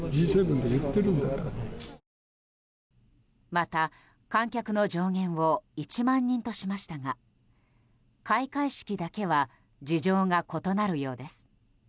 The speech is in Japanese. また、観客の上限を１万人としましたが開会式だけは事情が異なるようです。